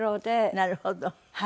なるほど。